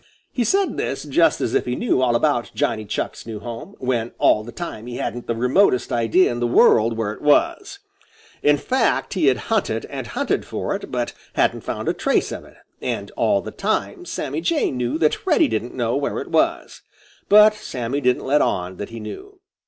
He said this just as if he knew all about Johnny Chuck's new home, when all the time he hadn't the remotest idea in the world where it was. In fact he had hunted and hunted for it, but hadn't found a trace of it. And all the time Sammy Jay knew that Reddy didn't know where it was. But Sammy didn't let on that he knew.